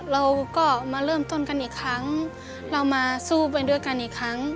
เราก็มาเริ่มต้นกันอีกครั้งเรามาสู้ไปด้วยกันอีกครั้ง